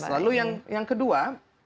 lalu yang kedua